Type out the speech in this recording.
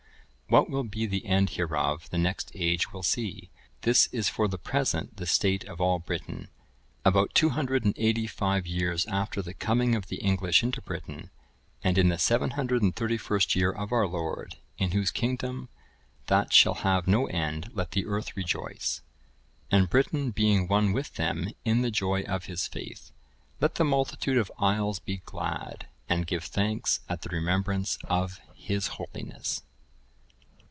What will be the end hereof, the next age will see. This is for the present the state of all Britain; about two hundred and eighty five years after the coming of the English into Britain, and in the 731st year of our Lord, in Whose kingdom that shall have no end let the earth rejoice; and Britain being one with them in the joy of His faith, let the multitude of isles be glad, and give thanks at the remembrance of His holiness.